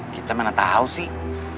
kita mana tahu sih